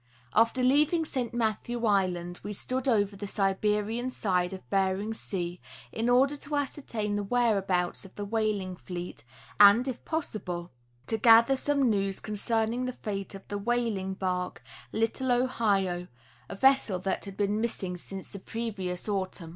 After leaving St. Mathew island we stood over to the Siberian side of Bering sea, in order to ascertain the whereabouts of the whaling fleet, and, if possible, to gather some news concerning the fate of the whaling bark "Little Ohio," a vessel that had been missing since the previous autumn.